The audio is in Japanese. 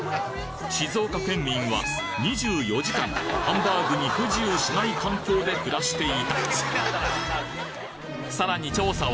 静岡県民は２４時間ハンバーグに不自由しない環境で暮らしていたなんと！